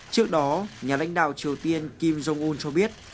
trước đó nhà lãnh đạo triều tiên kim jong un cho biết